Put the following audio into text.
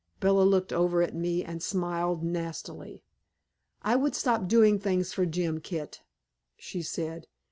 Bella looked over at me and smiled nastily. "I would stop doing things for Jim, Kit," she said.